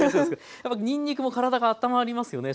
やっぱりにんにくもからだがあったまりますよね